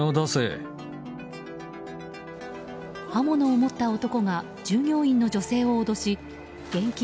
刃物を持った男が従業員の女性を脅し現金